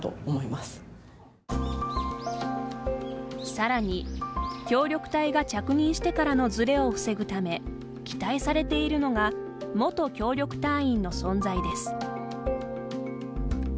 さらに協力隊が着任してからのズレを防ぐため期待されているのが元協力隊員の存在です。